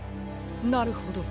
なるほど。